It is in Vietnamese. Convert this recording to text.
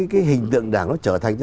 cái hình tượng đảng nó trở thành